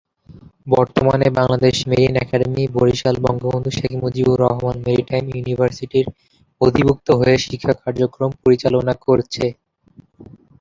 বর্তমানে Bangladesh marine academy, Barishal Bangabandhu Sheikh Mujibur Rahman maritime ইউনিভার্সিটির অধিভুক্ত হয়ে শিক্ষা কার্যক্রম পরিচালনা করছে।